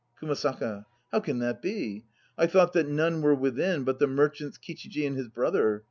[ASAKA. How can that be? I thought that none were within but the mer its, Kichiji and his brother.